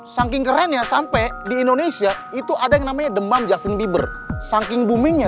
saking keren ya sampe di indonesia itu ada yang namanya demam jasin bieber saking boomingnya